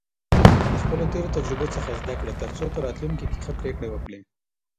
له خپلو تېرو تجربو څخه زده کړه، ترڅو په راتلونکي کې ښه پریکړې وکړې.